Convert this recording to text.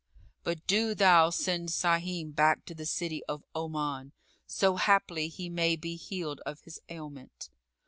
But do thou send Sahim back to the city of Oman, so haply he may be healed of his ailment."